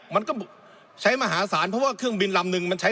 มันก็ใช้มหาศาลเพราะว่าเครื่องบินลำนึงมันใช้